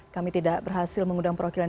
kami tidak berhasil mengundang perwakilan